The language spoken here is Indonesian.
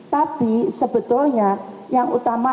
tapi sebetulnya yang utama